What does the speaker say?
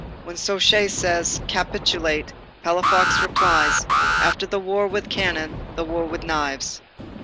When Suchet says:—"Capitulate,"—Palafox replies: "After the war with cannon, the war with knives."